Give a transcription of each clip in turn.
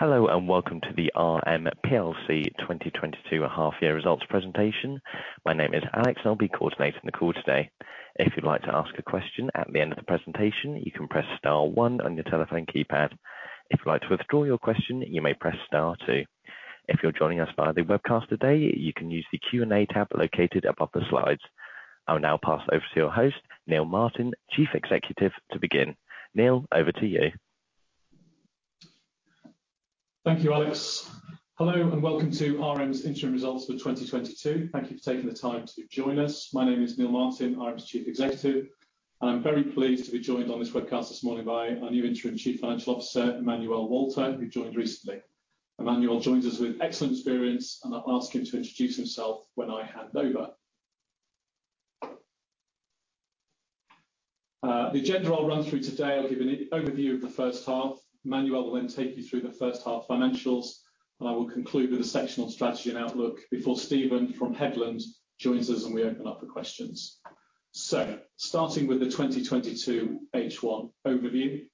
Hello, and welcome to the RM PLC 2022 half year results presentation. My name is Alex, and I'll be coordinating the call today. If you'd like to ask a question at the end of the presentation, you can press star one on your telephone keypad. If you'd like to withdraw your question, you may press star two. If you're joining us via the webcast today, you can use the Q&A tab located above the slides. I will now pass over to your host, Neil Martin, Chief Executive Officer, to begin. Neil, over to you. Thank you, Alex. Hello, and welcome to RM's interim results for 2022. Thank you for taking the time to join us. My name is Neil Martin, RM's Chief Executive, and I'm very pleased to be joined on this webcast this morning by our new interim Chief Financial Officer, Emmanuel Walter, who joined recently. Emmanuel joins us with excellent experience, and I'll ask him to introduce himself when I hand over. The agenda I'll run through today, I'll give an overview of the first half. Emmanuel will then take you through the first half financials, and I will conclude with a section on strategy and outlook before Steven from Headland joins us, and we open up for questions. Starting with the 2022 H1 overview.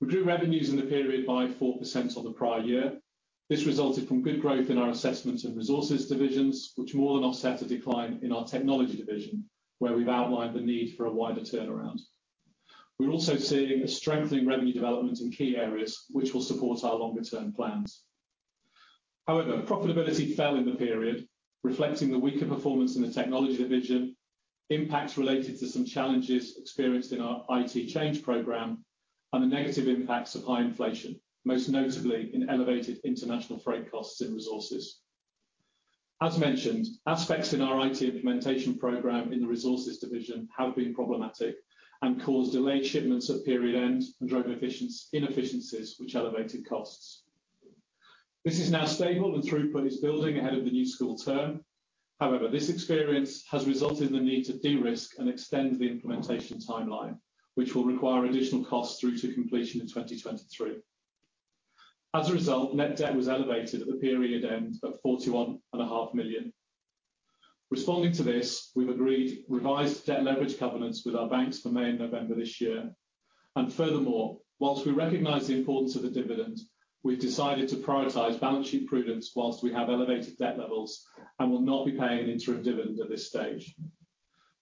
We grew revenues in the period by 4% on the prior year. This resulted from good growth in our assessments and resources divisions, which more than offset a decline in our technology division, where we've outlined the need for a wider turnaround. We're also seeing a strengthening revenue development in key areas which will support our longer-term plans. However, profitability fell in the period, reflecting the weaker performance in the technology division, impacts related to some challenges experienced in our IT change program and the negative impacts of high inflation, most notably in elevated international freight costs and resources. As mentioned, aspects in our IT implementation program in the resources division have been problematic and caused delayed shipments at period end and drove inefficiencies which elevated costs. This is now stable and throughput is building ahead of the new school term. However, this experience has resulted in the need to de-risk and extend the implementation timeline, which will require additional costs through to completion in 2023. As a result, net debt was elevated at the period end of 41.5 million. Responding to this, we've agreed revised debt leverage covenants with our banks for May and November this year. While we recognize the importance of the dividend, we've decided to prioritize balance sheet prudence while we have elevated debt levels and will not be paying an interim dividend at this stage.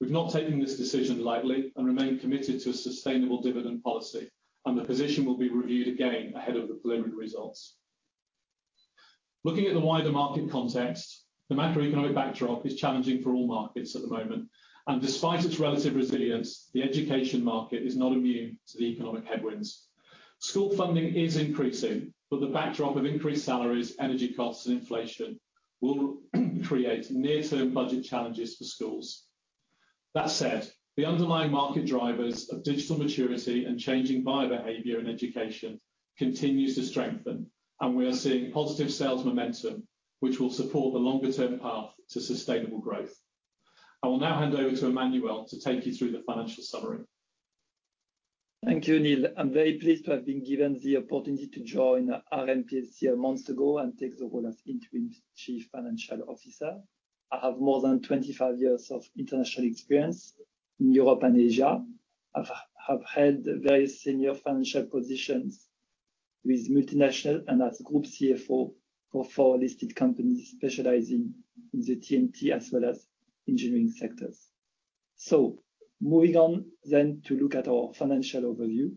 We've not taken this decision lightly and remain committed to a sustainable dividend policy, and the position will be reviewed again ahead of the preliminary results. Looking at the wider market context, the macroeconomic backdrop is challenging for all markets at the moment, and despite its relative resilience, the education market is not immune to the economic headwinds. School funding is increasing, but the backdrop of increased salaries, energy costs and inflation will create near-term budget challenges for schools. That said, the underlying market drivers of digital maturity and changing buyer behavior in education continues to strengthen, and we are seeing positive sales momentum which will support the longer-term path to sustainable growth. I will now hand over to Emmanuel to take you through the financial summary. Thank you, Neil. I'm very pleased to have been given the opportunity to join RM plc a month ago and take the role of interim chief financial officer. I have more than 25 years of international experience in Europe and Asia. I've held various senior financial positions with multinationals and as group CFO for four listed companies specializing in the TMT as well as engineering sectors. Moving on then to look at our financial overview.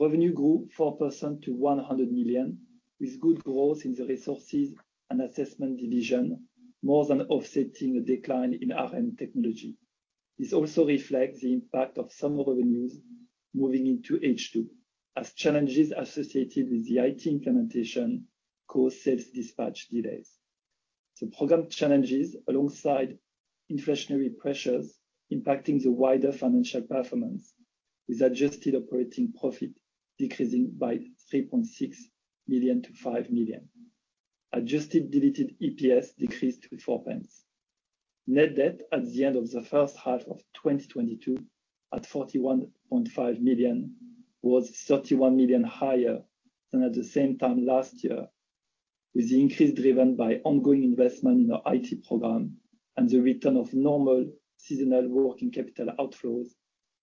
Revenue grew 4% to 100 million, with good growth in the resources and assessment division more than offsetting the decline in RM Technology. This also reflects the impact of some revenues moving into H2 as challenges associated with the IT implementation caused sales dispatch delays. The program challenges alongside inflationary pressures impacting the wider financial performance, with adjusted operating profit decreasing by 3.6 million-5 million. Adjusted diluted EPS decreased to 0.04. Net debt at the end of the first half of 2022 at 41.5 million was 31 million higher than at the same time last year, with the increase driven by ongoing investment in our IT program and the return of normal seasonal working capital outflows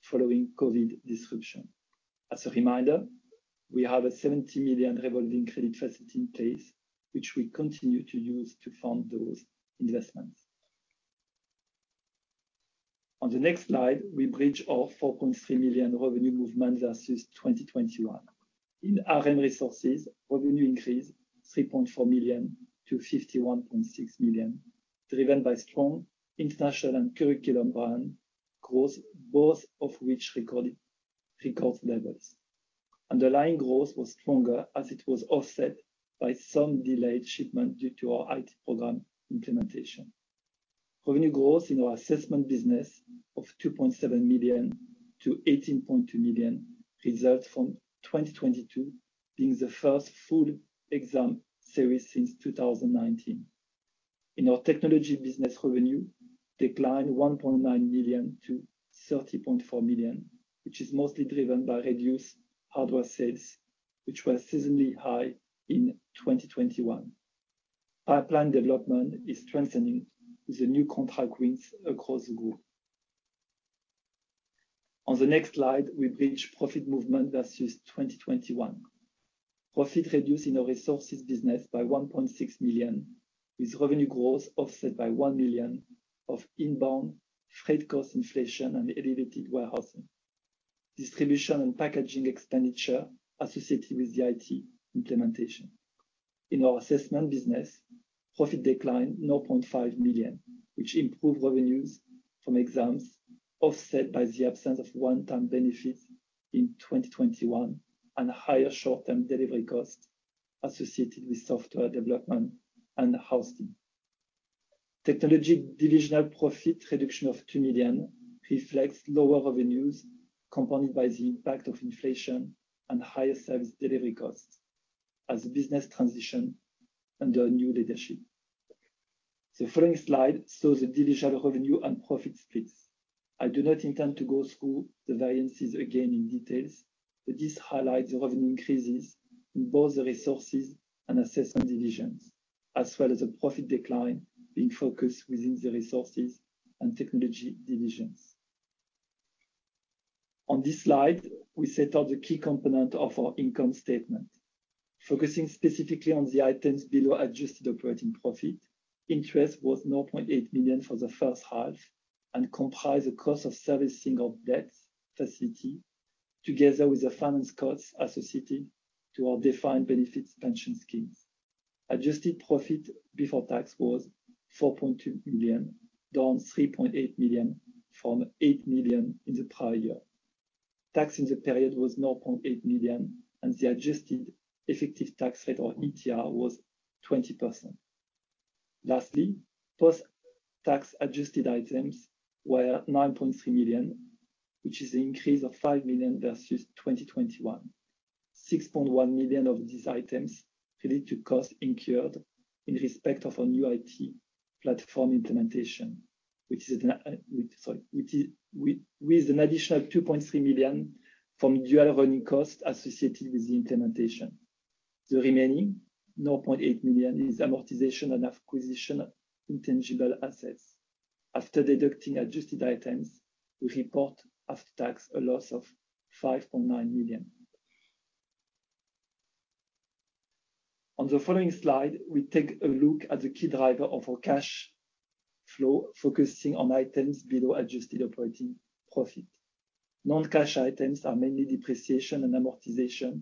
following COVID disruption. As a reminder, we have a 70 million revolving credit facility in place, which we continue to use to fund those investments. On the next slide, we bridge our 4.3 million revenue movement versus 2021. In RM Resources, revenue increased 3.4 million-51.6 million, driven by strong international and curriculum brand growth, both of which recorded record levels. Underlying growth was stronger as it was offset by some delayed shipment due to our IT program implementation. Revenue growth in our assessment business of 2.7 million-18.2 million results from 2022 being the first full exam series since 2019. In our technology business, revenue declined 1.9 million-30.4 million, which is mostly driven by reduced hardware sales, which were seasonally high in 2021. Pipeline development is strengthening with the new contract wins across the group. On the next slide, we bridge profit movement versus 2021. Profit reduced in our resources business by 1.6 million, with revenue growth offset by 1 million of inbound freight cost inflation and elevated warehousing, distribution and packaging expenditure associated with the IT implementation. In our assessment business, profit declined 0.5 million, which improved revenues from exams offset by the absence of one-time benefits in 2021 and higher short-term delivery costs associated with software development and hosting. Technology divisional profit reduction of 2 million reflects lower revenues compounded by the impact of inflation and higher service delivery costs as the business transition under new leadership. The following slide shows the divisional revenue and profit splits. I do not intend to go through the variances again in detail, but this highlights revenue increases in both the resources and assessment divisions, as well as a profit decline being focused within the resources and technology divisions. On this slide, we set out the key component of our income statement. Focusing specifically on the items below adjusted operating profit, interest was 0.8 million for the first half and comprise the cost of servicing our debt facility together with the finance costs associated to our defined benefits pension schemes. Adjusted profit before tax was 4.2 million, down 3.8 million from 8 million in the prior year. Tax in the period was 0.8 million, and the adjusted effective tax rate or ETR was 20%. Lastly, post-tax adjusted items were 9.3 million, which is an increase of 5 million versus 2021. 6.1 million of these items relate to costs incurred in respect of our new IT platform implementation, which is with an additional 2.3 million from dual running costs associated with the implementation. The remaining 0.8 million is amortization and acquisition of intangible assets. After deducting adjusted items, we report after tax a loss of 5.9 million. On the following slide, we take a look at the key driver of our cash flow, focusing on items below adjusted operating profit. Non-cash items are mainly depreciation and amortization,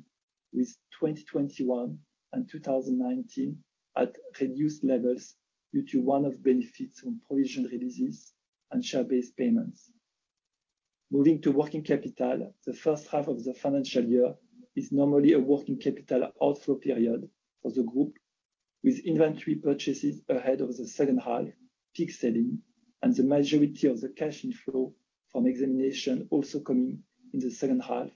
with 2021 and 2019 at reduced levels due to one-off benefits from provision releases and share-based payments. Moving to working capital, the first half of the financial year is normally a working capital outflow period for the group, with inventory purchases ahead of the second half peak selling and the majority of the cash inflow from examination also coming in the second half,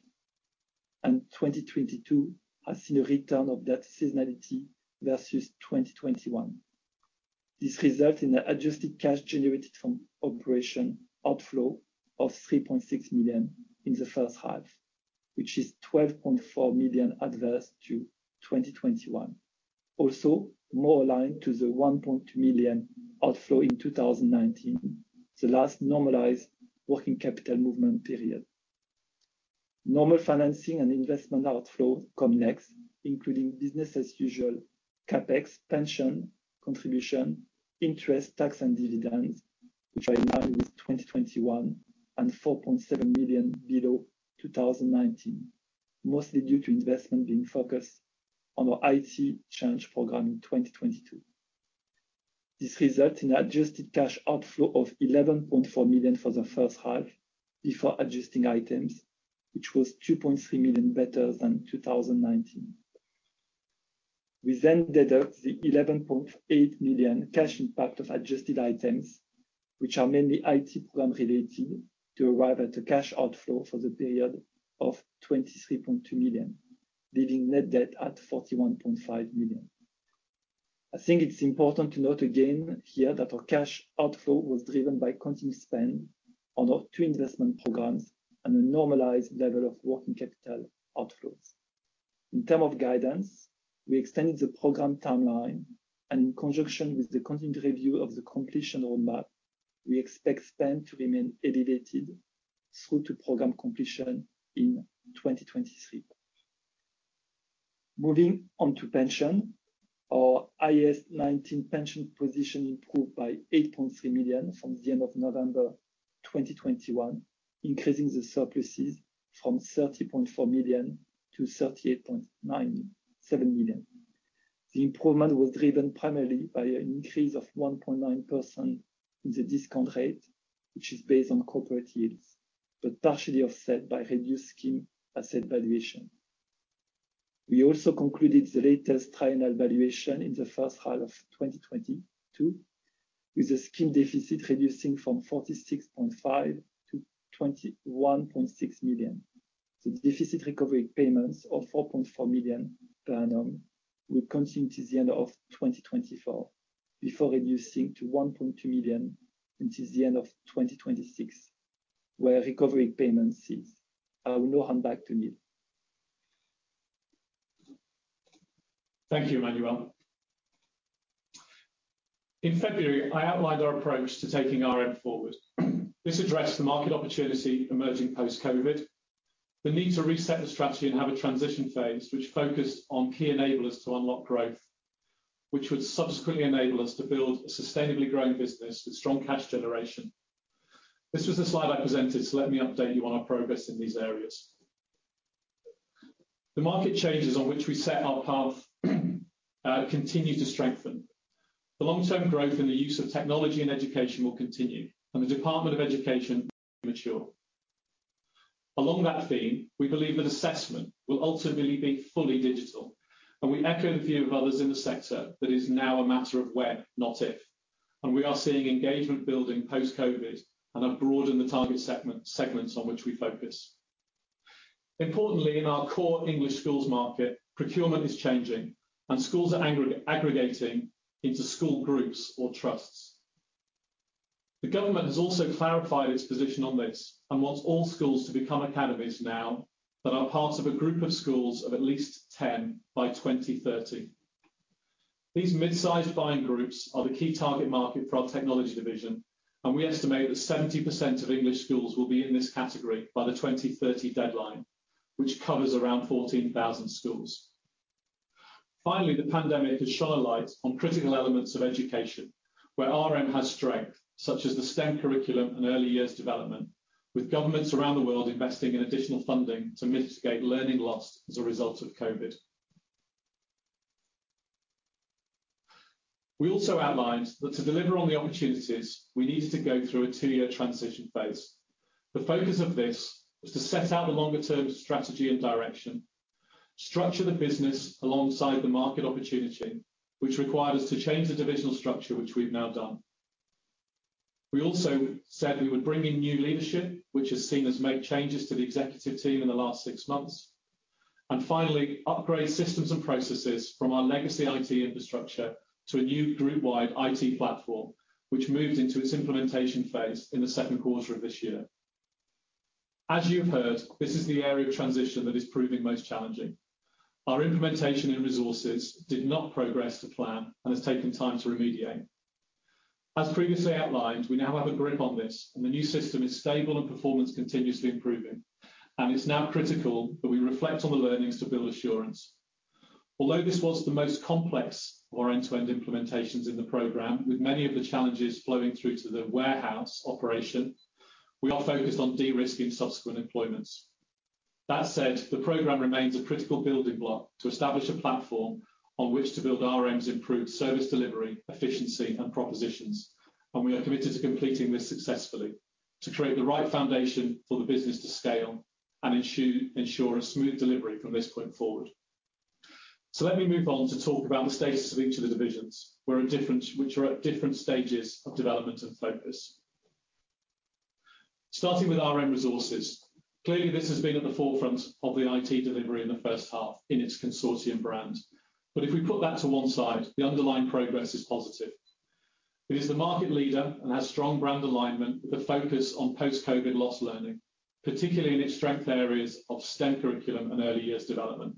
and 2022 has seen a return of that seasonality versus 2021. This result in the adjusted cash generated from operations outflow of 3.6 million in the first half, which is 12.4 million adverse to 2021. Also, more aligned to the 1.2 million outflow in 2019, the last normalized working capital movement period. Normal financing and investment outflow come next, including business as usual CapEx, pension contribution, interest, tax, and dividends, which are in line with 2021 and 4.7 million below 2019, mostly due to investment being focused on our IT change program in 2022. This result in adjusted cash outflow of 11.4 million for the first half before adjusting items, which was 2.3 million better than 2019. We then deduct the 11.8 million cash impact of adjusted items, which are mainly IT program related, to arrive at a cash outflow for the period of 23.2 million, leaving net debt at 41.5 million. I think it's important to note again here that our cash outflow was driven by continued spend on our two investment programs and a normalized level of working capital outflows. In terms of guidance, we extended the program timeline, and in conjunction with the continued review of the completion roadmap, we expect spend to remain elevated through to program completion in 2023. Moving on to pension. Our IAS nineteen pension position improved by 8.3 million from the end of November 2021, increasing the surpluses from 30.4 million-38.97 million. The improvement was driven primarily by an increase of 1.9% in the discount rate, which is based on corporate yields, but partially offset by reduced scheme asset valuation. We also concluded the latest triennial valuation in the first half of 2022, with the scheme deficit reducing from 46.5 million-21.6 million. The deficit recovery payments of 4.4 million per annum will continue to the end of 2024 before reducing to 1.2 million until the end of 2026, where recovery payments cease. I'll now hand back to you, Neil. Thank you, Emmanuel. In February, I outlined our approach to taking RM forward. This addressed the market opportunity emerging post-COVID, the need to reset the strategy and have a transition phase which focused on key enablers to unlock growth, which would subsequently enable us to build a sustainably growing business with strong cash generation. This was the slide I presented, so let me update you on our progress in these areas. The market changes on which we set our path continue to strengthen. The long-term growth in the use of technology in education will continue, and the Department for Education matures. Along that theme, we believe that assessment will ultimately be fully digital, and we echo the view of others in the sector that it is now a matter of when, not if. We are seeing engagement building post-COVID and have broadened the target segments on which we focus. Importantly, in our core English schools market, procurement is changing and schools are aggregating into school groups or trusts. The government has also clarified its position on this and wants all schools to become academies now that are part of a group of schools of at least 10 by 2030. These mid-sized buying groups are the key target market for our technology division, and we estimate that 70% of English schools will be in this category by the 2030 deadline, which covers around 14,000 schools. Finally, the pandemic has shone a light on critical elements of education where RM has strength, such as the STEM curriculum and early years development, with governments around the world investing in additional funding to mitigate learning loss as a result of COVID. We also outlined that to deliver on the opportunities we needed to go through a 2-year transition phase. The focus of this was to set out a longer term strategy and direction, structure the business alongside the market opportunity, which required us to change the divisional structure, which we've now done. We also said we would bring in new leadership, which has seen us make changes to the executive team in the last 6 months. Finally, upgrade systems and processes from our legacy IT infrastructure to a new group-wide IT platform, which moved into its implementation phase in the second quarter of this year. As you've heard, this is the area of transition that is proving most challenging. Our implementation and resources did not progress to plan and has taken time to remediate. As previously outlined, we now have a grip on this and the new system is stable and performance continues to be improving, and it's now critical that we reflect on the learnings to build assurance. Although this was the most complex of our end-to-end implementations in the program, with many of the challenges flowing through to the warehouse operation, we are focused on de-risking subsequent employments. That said, the program remains a critical building block to establish a platform on which to build RM's improved service delivery, efficiency and propositions. We are committed to completing this successfully to create the right foundation for the business to scale and ensure a smooth delivery from this point forward. Let me move on to talk about the status of each of the divisions, which are at different stages of development and focus. Starting with RM Resources. Clearly, this has been at the forefront of the IT delivery in the first half in its Consortium brand. If we put that to one side, the underlying progress is positive. It is the market leader and has strong brand alignment with a focus on post-COVID lost learning, particularly in its strength areas of STEM curriculum and early years development.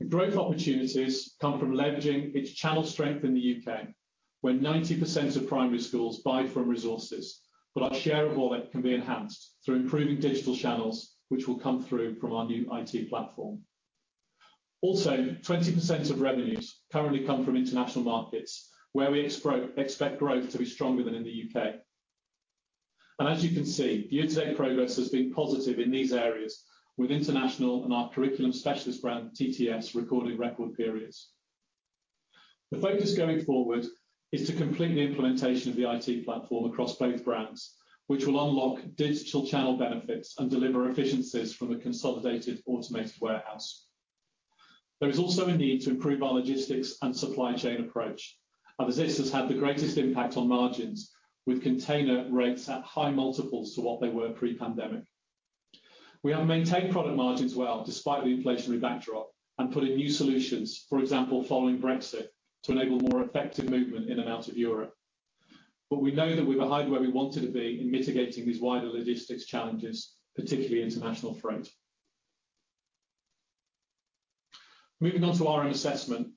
The growth opportunities come from leveraging its channel strength in the U.K., where 90% of primary schools buy from Resources, but our share of wallet can be enhanced through improving digital channels which will come through from our new IT platform. Also, 20% of revenues currently come from international markets, where we expect growth to be stronger than in the U.K. As you can see, year-to-date progress has been positive in these areas with international and our curriculum specialist brand TTS recording record periods. The focus going forward is to complete the implementation of the IT platform across both brands, which will unlock digital channel benefits and deliver efficiencies from a consolidated automated warehouse. There is also a need to improve our logistics and supply chain approach, and as this has had the greatest impact on margins with container rates at high multiples to what they were pre-pandemic. We have maintained product margins well despite the inflationary backdrop and put in new solutions, for example, following Brexit, to enable more effective movement in and out of Europe. We know that we're behind where we wanted to be in mitigating these wider logistics challenges, particularly international freight. Moving on to RM Assessment.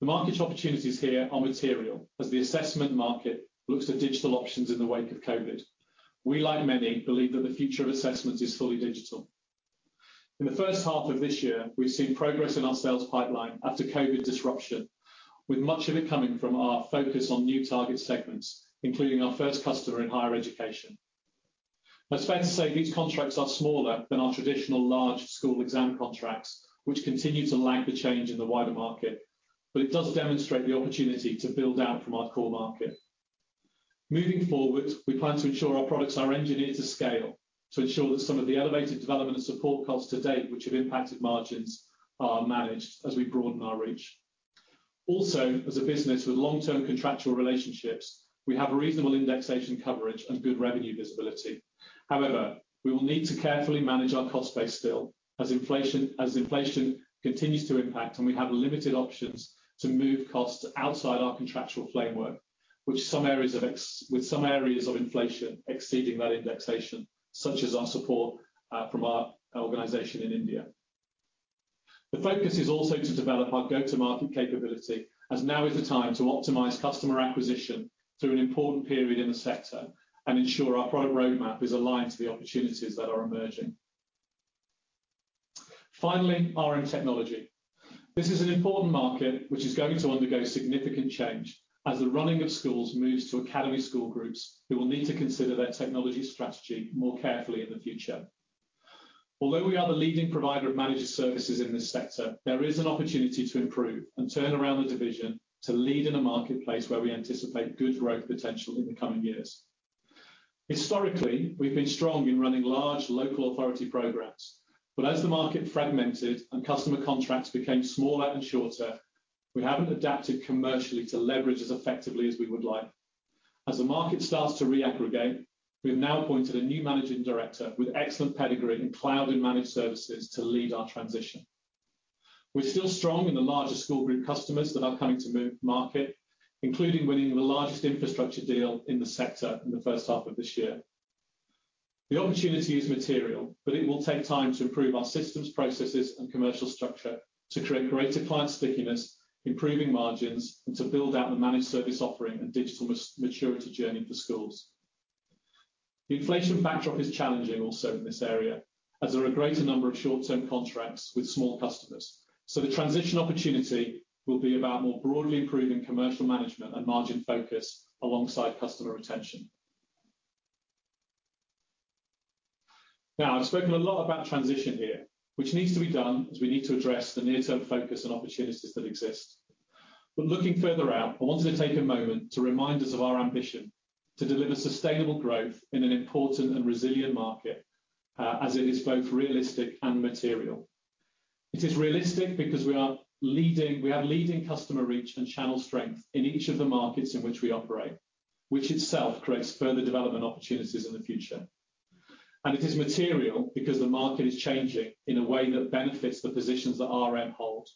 The market opportunities here are material as the assessment market looks at digital options in the wake of COVID. We, like many, believe that the future of assessment is fully digital. In the first half of this year, we've seen progress in our sales pipeline after COVID disruption, with much of it coming from our focus on new target segments, including our first customer in higher education. I'm afraid to say these contracts are smaller than our traditional large school exam contracts, which continue to lag the change in the wider market. It does demonstrate the opportunity to build out from our core market. Moving forward, we plan to ensure our products are engineered to scale to ensure that some of the elevated development and support costs to date which have impacted margins are managed as we broaden our reach. Also, as a business with long-term contractual relationships, we have a reasonable indexation coverage and good revenue visibility. However, we will need to carefully manage our cost base still as inflation continues to impact and we have limited options to move costs outside our contractual framework. With some areas of inflation exceeding that indexation, such as our support from our organization in India. The focus is also to develop our go-to-market capability, as now is the time to optimize customer acquisition through an important period in the sector and ensure our product roadmap is aligned to the opportunities that are emerging. Finally, RM Technology. This is an important market which is going to undergo significant change as the running of schools moves to academy school groups who will need to consider their technology strategy more carefully in the future. Although we are the leading provider of managed services in this sector, there is an opportunity to improve and turn around the division to lead in a marketplace where we anticipate good growth potential in the coming years. Historically, we've been strong in running large local authority programs, but as the market fragmented and customer contracts became smaller and shorter, we haven't adapted commercially to leverage as effectively as we would like. As the market starts to reaggregate, we've now appointed a new managing director with excellent pedigree in cloud and managed services to lead our transition. We're still strong in the larger school group customers that are coming to market, including winning the largest infrastructure deal in the sector in the first half of this year. The opportunity is material, but it will take time to improve our systems, processes, and commercial structure to create greater client stickiness, improving margins, and to build out the managed service offering and digital maturity journey for schools. The inflation backdrop is challenging also in this area, as there are a greater number of short-term contracts with small customers. The transition opportunity will be about more broadly improving commercial management and margin focus alongside customer retention. Now, I've spoken a lot about transition here, which needs to be done as we need to address the near-term focus and opportunities that exist. Looking further out, I wanted to take a moment to remind us of our ambition to deliver sustainable growth in an important and resilient market, as it is both realistic and material. It is realistic because we have leading customer reach and channel strength in each of the markets in which we operate, which itself creates further development opportunities in the future. It is material because the market is changing in a way that benefits the positions that RM hold.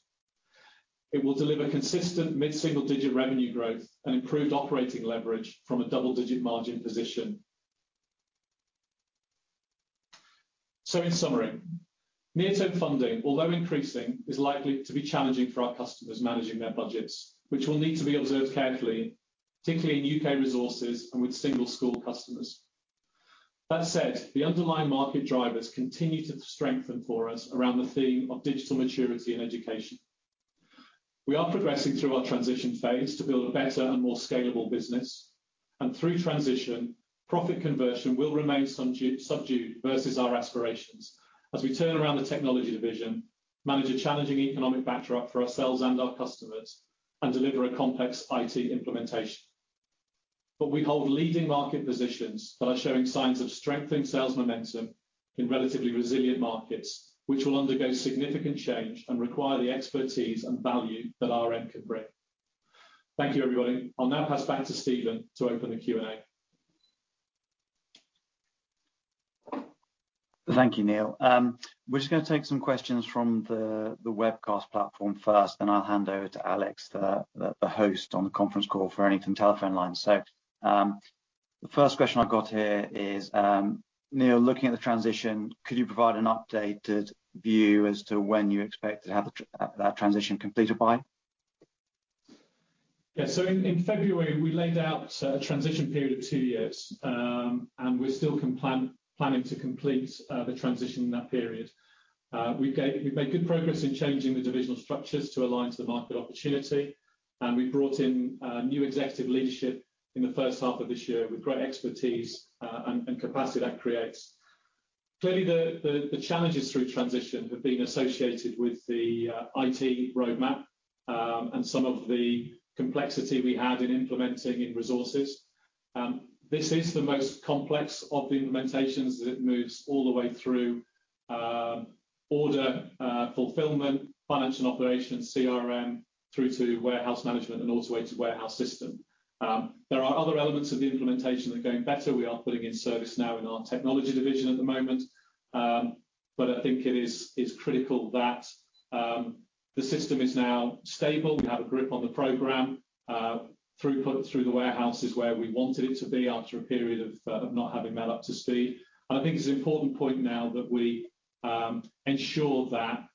It will deliver consistent mid-single digit revenue growth and improved operating leverage from a double-digit margin position. In summary, near-term funding, although increasing, is likely to be challenging for our customers managing their budgets, which will need to be observed carefully, particularly in RM Resources and with single school customers. That said, the underlying market drivers continue to strengthen for us around the theme of digital maturity and education. We are progressing through our transition phase to build a better and more scalable business. Through transition, profit conversion will remain subdued versus our aspirations as we turn around the technology division, manage a challenging economic backdrop for ourselves and our customers, and deliver a complex IT implementation. We hold leading market positions that are showing signs of strengthened sales momentum in relatively resilient markets, which will undergo significant change and require the expertise and value that RM can bring. Thank you, everybody. I'll now pass back to Steven to open the Q&A. Thank you, Neil. We're just gonna take some questions from the webcast platform first, then I'll hand over to Alex, the host on the conference call for anything telephone line. The first question I've got here is, Neil, looking at the transition, could you provide an updated view as to when you expect to have that transition completed by? Yeah. In February, we laid out a transition period of two years, and we're still planning to complete the transition in that period. We've made good progress in changing the divisional structures to align to the market opportunity, and we've brought in new executive leadership in the first half of this year with great expertise and capacity that creates. Clearly, the challenges through transition have been associated with the IT roadmap and some of the complexity we had in implementing Resources. This is the most complex of the implementations as it moves all the way through order fulfillment, finance and operations, CRM, through to warehouse management and automated warehouse system. There are other elements of the implementation that are going better. We are putting in ServiceNow in our technology division at the moment. I think it is critical that the system is now stable. We have a grip on the program. Throughput through the warehouse is where we wanted it to be after a period of not having that up to speed. I think it's an important point now that we ensure that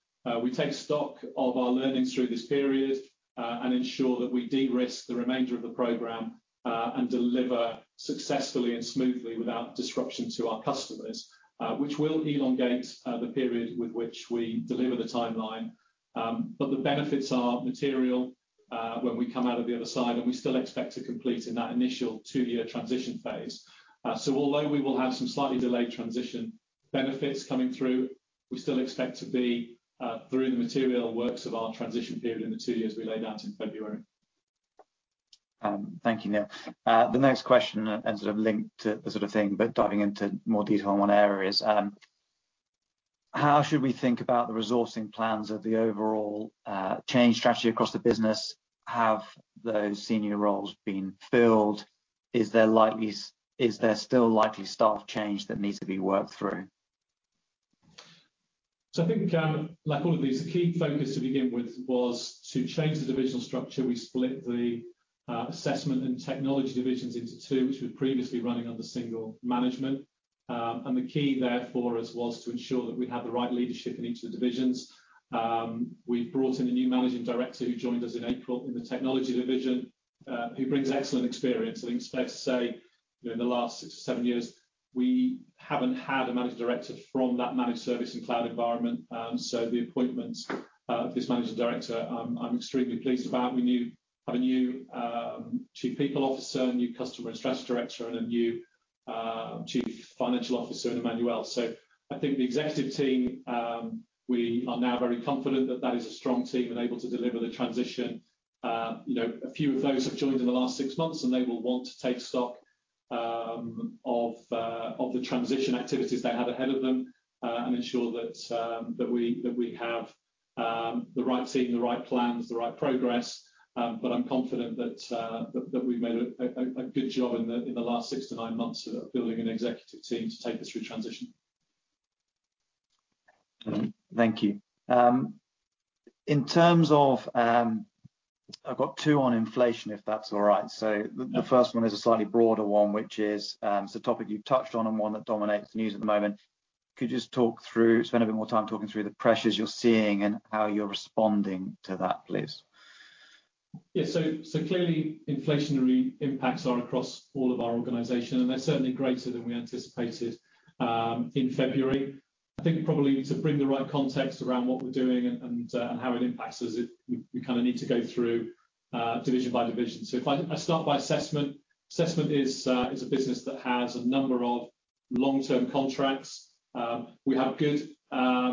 we take stock of our learnings through this period and ensure that we de-risk the remainder of the program and deliver successfully and smoothly without disruption to our customers, which will elongate the period with which we deliver the timeline. The benefits are material when we come out of the other side, and we still expect to complete in that initial two-year transition phase. Although we will have some slightly delayed transition benefits coming through, we still expect to be through the material works of our transition period in the two years we laid out in February. Thank you, Neil. The next question and sort of linked to the sort of thing, but diving into more detail on one area is, how should we think about the resourcing plans of the overall, change strategy across the business? Have those senior roles been filled? Is there still likely staff change that needs to be worked through? I think, like all of these, the key focus to begin with was to change the divisional structure. We split the assessment and technology divisions into two, which were previously running under single management. The key there for us was to ensure that we had the right leadership in each of the divisions. We brought in a new managing director who joined us in April in the technology division, who brings excellent experience. I think it's fair to say in the last 6 or 7 years we haven't had a managing director from that managed service and cloud environment. The appointment of this managing director, I'm extremely pleased about. We now have a new chief people officer, a new customer and strategy director, and a new chief financial officer in Emmanuel Walter. I think the executive team, we are now very confident that that is a strong team and able to deliver the transition. You know, a few of those have joined in the last six months, and they will want to take stock of the transition activities they have ahead of them, and ensure that we have the right team, the right plans, the right progress. But I'm confident that we've made a good job in the last six to nine months of building an executive team to take us through transition. Thank you. In terms of, I've got two on inflation, if that's all right. The first one is a slightly broader one, which is, it's a topic you've touched on and one that dominates the news at the moment. Could you just talk through, spend a bit more time talking through the pressures you're seeing and how you're responding to that, please? Yeah. Clearly inflationary impacts are across all of our organization, and they're certainly greater than we anticipated in February. I think probably to bring the right context around what we're doing and how it impacts us is we kind of need to go through division by division. If I start by assessment. Assessment is a business that has a number of long-term contracts. We have good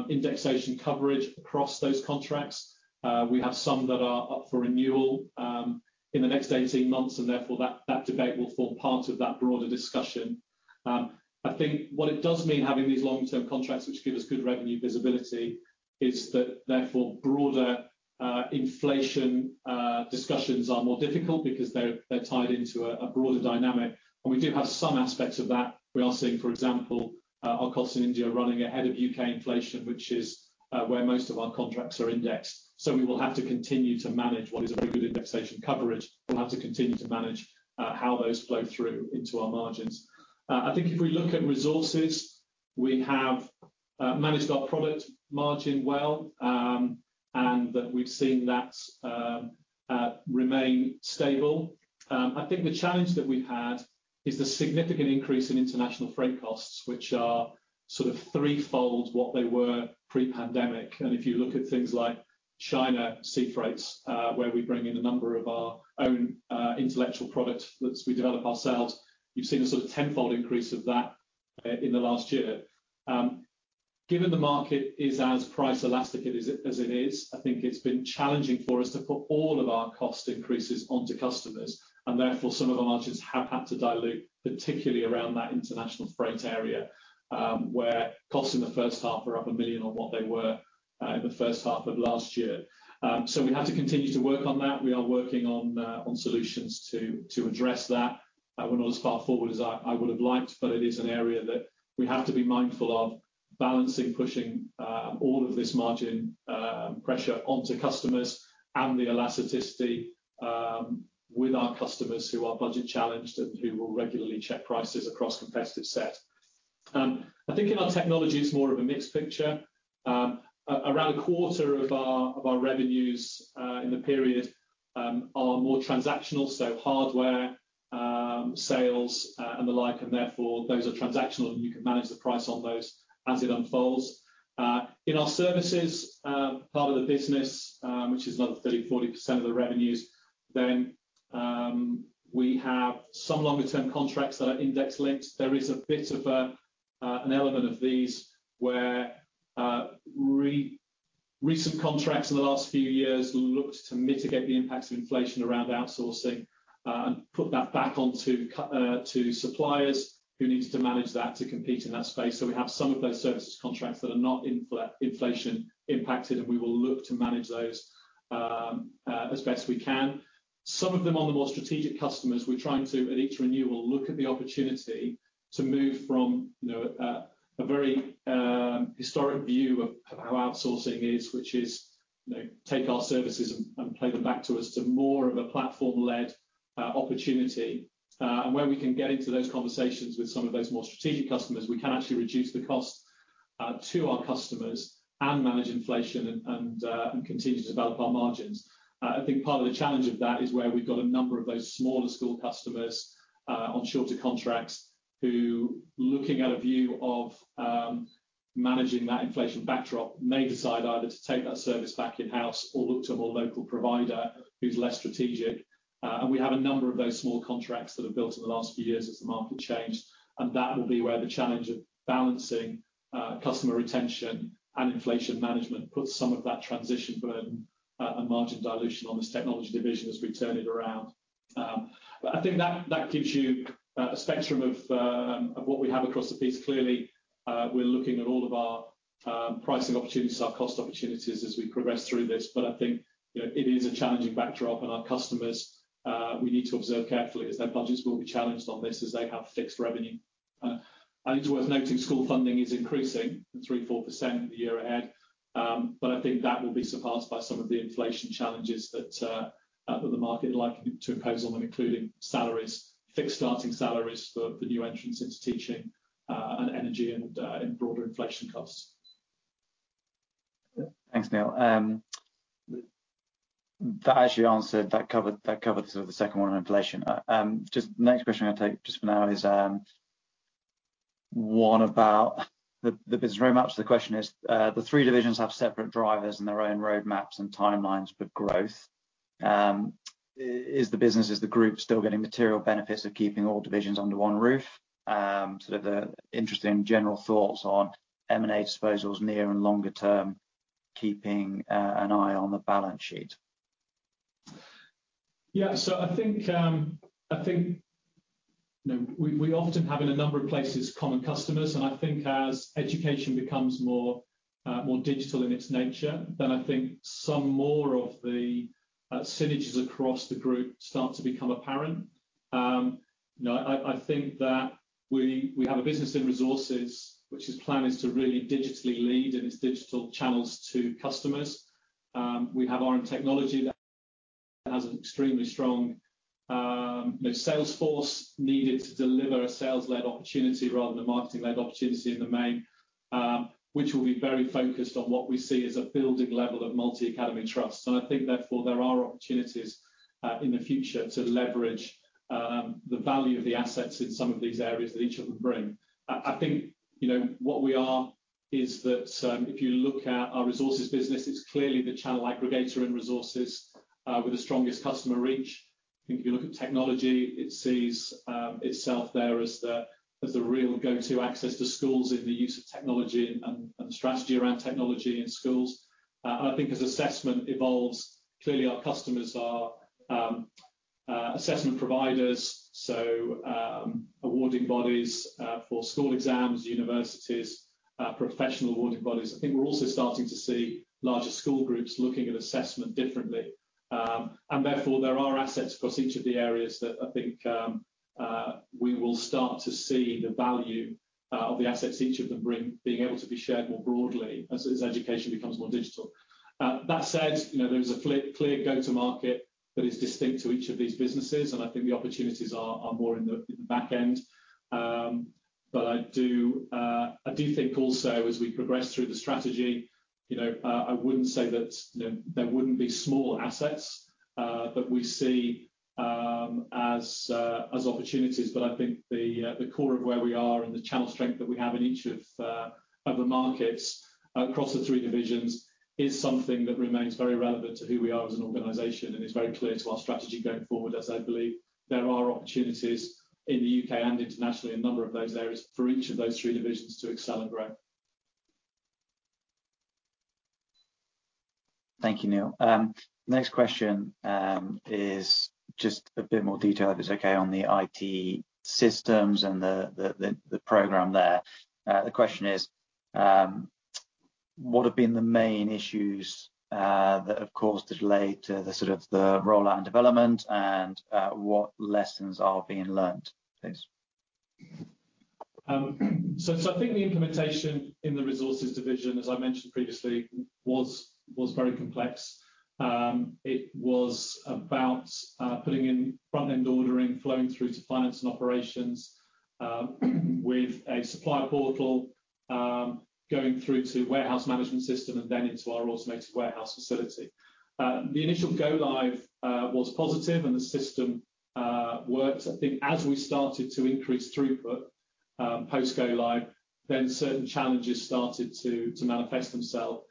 indexation coverage across those contracts. We have some that are up for renewal in the next 18 months, and therefore that debate will form part of that broader discussion. I think what it does mean having these long-term contracts which give us good revenue visibility is that therefore broader inflation discussions are more difficult because they're tied into a broader dynamic. We do have some aspects of that. We are seeing, for example, our costs in India are running ahead of U.K. inflation, which is where most of our contracts are indexed. We will have to continue to manage what is a very good indexation coverage. We'll have to continue to manage how those flow through into our margins. I think if we look at resources, we have managed our product margin well, and that we've seen that remain stable. I think the challenge that we've had is the significant increase in international freight costs, which are sort of threefold what they were pre-pandemic. If you look at things like China sea freights, where we bring in a number of our own intellectual property that we develop ourselves, you've seen a sort of tenfold increase of that in the last year. Given the market is as price elastic as it is, I think it's been challenging for us to put all of our cost increases onto customers, and therefore some of our margins have had to dilute, particularly around that international freight area, where costs in the first half are up 1 million on what they were in the first half of last year. We have to continue to work on that. We are working on solutions to address that. We're not as far forward as I would have liked, but it is an area that we have to be mindful of balancing, pushing all of this margin pressure onto customers and the elasticity with our customers who are budget challenged and who will regularly check prices across competitive set. I think in our technology it's more of a mixed picture. Around a quarter of our revenues in the period are more transactional, so hardware sales and the like, and therefore those are transactional, and you can manage the price on those as it unfolds. In our services part of the business, which is another 30%-40% of the revenues, then we have some longer term contracts that are index linked. There is a bit of an element of these where recent contracts in the last few years looked to mitigate the impacts of inflation around outsourcing and put that back onto suppliers who needed to manage that to compete in that space. We have some of those services contracts that are not inflation impacted, and we will look to manage those as best we can. Some of them on the more strategic customers, we're trying to, at each renewal, look at the opportunity to move from, you know, a very historic view of how outsourcing is, which is, you know, take our services and pay them back to us to more of a platform-led opportunity. Where we can get into those conversations with some of those more strategic customers, we can actually reduce the cost to our customers and manage inflation and continue to develop our margins. I think part of the challenge of that is where we've got a number of those smaller school customers on shorter contracts who, looking at a view of managing that inflation backdrop, may decide either to take that service back in-house or look to a more local provider who's less strategic. We have a number of those small contracts that have built in the last few years as the market changed, and that will be where the challenge of balancing customer retention and inflation management puts some of that transition burden and margin dilution on this technology division as we turn it around. I think that gives you a spectrum of what we have across the piece. Clearly, we're looking at all of our pricing opportunities, our cost opportunities as we progress through this. I think, you know, it is a challenging backdrop and our customers, we need to observe carefully as their budgets will be challenged on this as they have fixed revenue. It's worth noting school funding is increasing 3%-4% in the year ahead. I think that will be surpassed by some of the inflation challenges that the market are likely to impose on them, including salaries, fixed starting salaries for the new entrants into teaching, and energy and broader inflation costs. Thanks, Neil. That covered sort of the second one on inflation. Just next question I'll take just for now is one about the business roadmap. The question is, the three divisions have separate drivers and their own roadmaps and timelines for growth. Is the group still getting material benefits of keeping all divisions under one roof? Sort of interested in general thoughts on M&A disposals near and longer term, keeping an eye on the balance sheet. Yeah. I think, you know, we often have in a number of places common customers. I think as education becomes more digital in its nature, I think some more of the synergies across the group start to become apparent. You know, I think that we have a business in Resources which is planning to really digitally lead in its digital channels to customers. We have our own technology that has an extremely strong, you know, sales force needed to deliver a sales-led opportunity rather than a marketing-led opportunity in the main, which will be very focused on what we see as a building level of multi-academy trust. I think therefore, there are opportunities in the future to leverage the value of the assets in some of these areas that each of them bring. I think, you know, what we are is that if you look at our Resources business, it's clearly the channel aggregator in Resources with the strongest customer reach. I think if you look at Technology, it sees itself there as the real go-to access to schools in the use of technology and strategy around technology in schools. I think as Assessment evolves, clearly our customers are assessment providers, so awarding bodies for school exams, universities, professional awarding bodies. I think we're also starting to see larger school groups looking at Assessment differently. Therefore, there are assets across each of the areas that I think we will start to see the value of the assets each of them bring, being able to be shared more broadly as education becomes more digital. That said, you know, there is a clear go-to-market that is distinct to each of these businesses, and I think the opportunities are more in the back end. I do think also as we progress through the strategy, you know, I wouldn't say that, you know, there wouldn't be small assets that we see as opportunities. I think the core of where we are and the channel strength that we have in each of the markets across the three divisions is something that remains very relevant to who we are as an organization and is very clear to our strategy going forward, as I believe there are opportunities in the U.K. and internationally, a number of those areas for each of those three divisions to accelerate. Thank you, Neil. Next question is just a bit more detail, if it's okay, on the IT systems and the program there. The question is, what have been the main issues that have caused a delay to the sort of rollout and development, and what lessons are being learned? Thanks. I think the implementation in the Resources division, as I mentioned previously, was very complex. It was about putting in front-end ordering, flowing through to finance and operations, with a supplier portal, going through to warehouse management system and then into our automated warehouse facility. The initial go-live was positive, and the system worked. I think as we started to increase throughput post go-live, then certain challenges started to manifest themselves,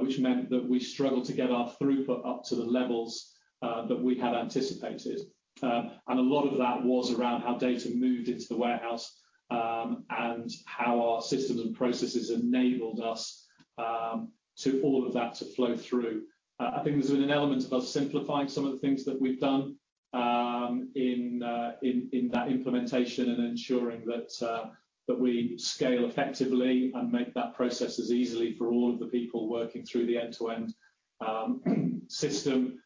which meant that we struggled to get our throughput up to the levels that we had anticipated. A lot of that was around how data moved into the warehouse, and how our systems and processes enabled us to all of that to flow through. I think there's been an element of us simplifying some of the things that we've done in that implementation and ensuring that we scale effectively and make that process as easily for all of the people working through the end-to-end system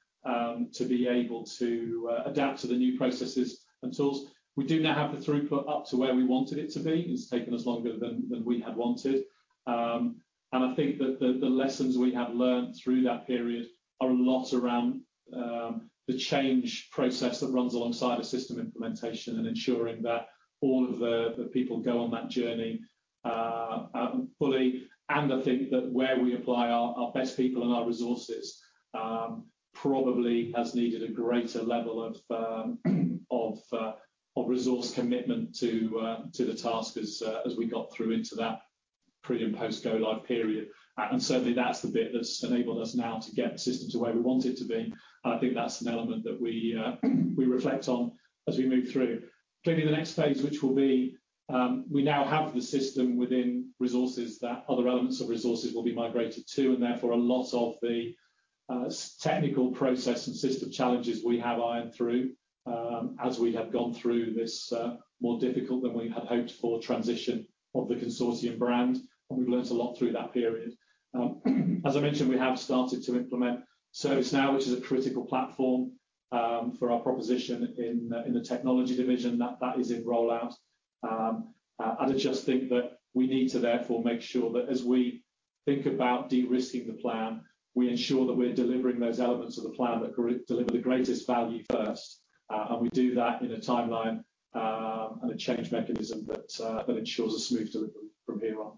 to be able to adapt to the new processes and tools. We do now have the throughput up to where we wanted it to be. It's taken us longer than we had wanted. I think that the lessons we have learned through that period are a lot around the change process that runs alongside a system implementation and ensuring that all of the people go on that journey fully. I think that where we apply our best people and our resources probably has needed a greater level of resource commitment to the task as we got through into that pre- and post-go-live period. Certainly, that's the bit that's enabled us now to get the system to where we want it to be. I think that's an element that we reflect on as we move through. Clearly, the next phase, which will be we now have the system within Resources that other elements of Resources will be migrated to, and therefore a lot of the technical process and system challenges we have ironed out as we have gone through this more difficult than we had hoped for transition of the Consortium brand, and we've learned a lot through that period. As I mentioned, we have started to implement ServiceNow, which is a critical platform, for our proposition in the technology division. That is in rollout. I just think that we need to therefore make sure that as we think about de-risking the plan, we ensure that we're delivering those elements of the plan that deliver the greatest value first. We do that in a timeline, and a change mechanism that ensures a smooth delivery from here on.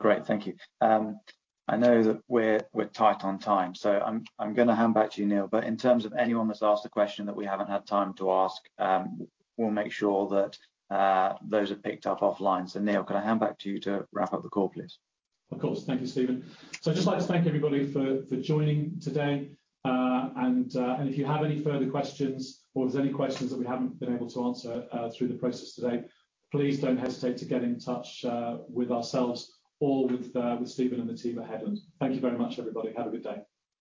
Great. Thank you. I know that we're tight on time, so I'm gonna hand back to you, Neil. In terms of anyone that's asked a question that we haven't had time to ask, we'll make sure that those are picked up offline. Neil, can I hand back to you to wrap up the call, please? Of course. Thank you, Steven. I'd just like to thank everybody for joining today. If you have any further questions or if there's any questions that we haven't been able to answer through the process today, please don't hesitate to get in touch with ourselves or with Steven and the team at Headland. Thank you very much, everybody. Have a good day.